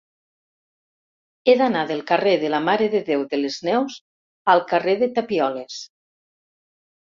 He d'anar del carrer de la Mare de Déu de les Neus al carrer de Tapioles.